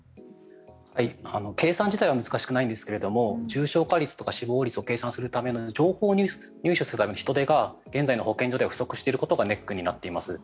計算自体は難しくないんですが重症化率とか死亡率を計算するための情報を入手するための人出が現在の保健所では不足していることがネックになっています。